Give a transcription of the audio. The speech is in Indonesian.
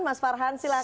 mas farhan silahkan